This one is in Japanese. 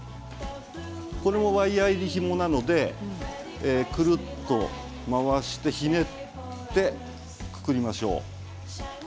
ワイヤー入りのひもなどでぐるっと回してひねってくくりましょう。